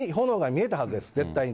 ただ遠目に炎が見えたはずです、絶対に。